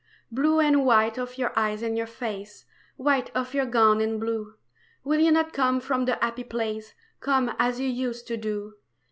Blue and white of your eyes and your face, White of your gown and blue, Will you not come from the happy place, Come as you used to do?